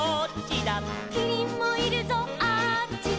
「キリンもいるぞあっちだ」